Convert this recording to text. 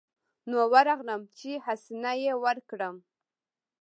نو ورغلم چې حسنه يې وركړم.